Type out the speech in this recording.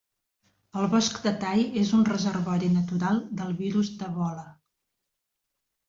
El bosc de Tai és un reservori natural del virus d'Ebola.